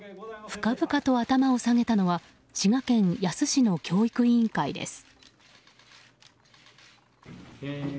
深々と頭を下げたのは滋賀県野洲市の教育委員会です。